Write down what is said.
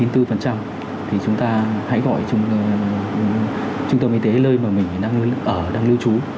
thì chúng ta hãy gọi trung tâm y tế nơi mà mình đang lưu trú